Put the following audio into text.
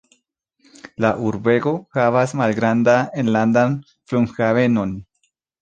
La urbego havas malgrandan enlandan flughavenon.